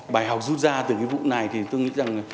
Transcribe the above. bài học rút ra từ cái vụ này thì tôi nghĩ rằng